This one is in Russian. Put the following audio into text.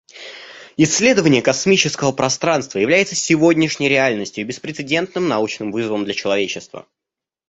Исследование космического пространства является сегодняшней реальностью и беспрецедентным научным вызовом для человечества.